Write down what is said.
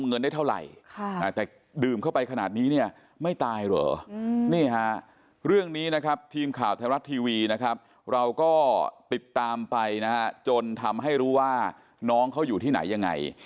นี่ค่ะเรื่องนี้นะครับทีมข่าวธรรมรัฐทีวีนะครับเราก็ติดตามไปนะจนทำให้รู้ว่าน้องเขาอยู่ที่ไหนยังไง